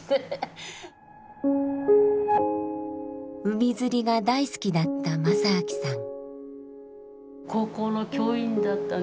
海釣りが大好きだった正明さん。